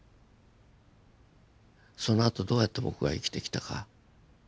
そのあとどうやって僕が生きてきたか。